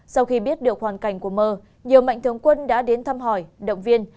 sau khi biết được hoàn cảnh của mơ nhiều mạnh thường quân đã đến thăm hỏi động viên